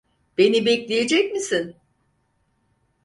Beni bekleyecek misin?